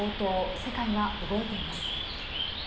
世界が動いています。